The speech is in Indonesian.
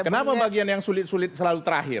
kenapa bagian yang sulit sulit selalu terakhir